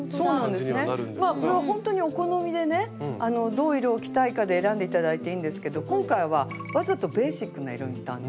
これはほんとにお好みでねどう色を着たいかで選んで頂いていいんですけど今回はわざとベーシックな色にしたんですね。